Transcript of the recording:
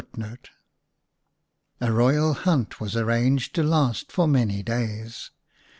A royal hunt was arranged to last for many days.